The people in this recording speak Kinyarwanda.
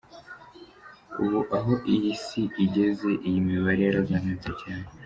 Ubu aho iyi si igeze, iyi mibare yarazamutse cyane.